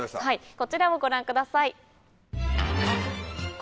こちらをご覧ください。